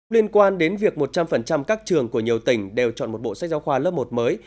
liên quan đến việc một trăm linh các trường của nhiều tỉnh đều chọn một bộ sách giáo khoa lớp một mới